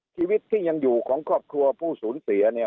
ชีวิตที่ยังอยู่ของครอบครัวผู้สูญเสียเนี่ย